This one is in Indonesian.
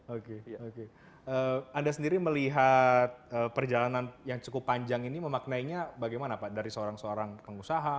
oke oke anda sendiri melihat perjalanan yang cukup panjang ini memaknainya bagaimana pak dari seorang seorang pengusaha